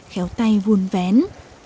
khéo tay vun vén